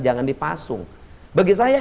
jangan dipasung bagi saya